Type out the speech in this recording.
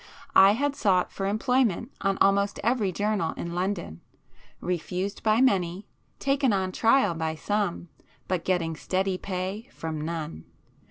I had sought for employment on almost every journal in London,—refused by many, taken [p 4] on trial by some, but getting steady pay from none.